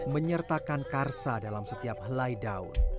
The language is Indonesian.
menyertakan karsa dalam setiap helai daun